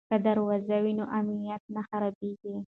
که دروازه وي نو امنیت نه خرابېږي.